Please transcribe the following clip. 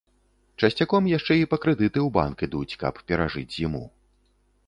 Часцяком яшчэ і па крэдыты ў банк ідуць, каб перажыць зіму.